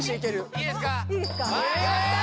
いいですか？